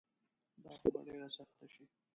دا خو به ډیره سخته شي